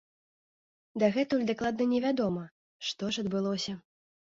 Дагэтуль дакладна невядома, што ж адбылося.